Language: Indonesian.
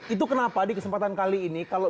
itu kenapa di kesempatan kali ini